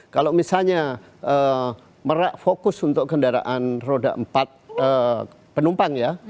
kalau misalnya merak fokus untuk kendaraan roda empat penumpang ya